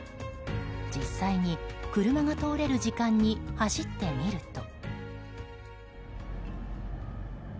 実際に車が通れる時間に走ってみると。